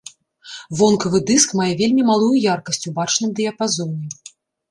Вонкавы дыск мае вельмі малую яркасць у бачным дыяпазоне.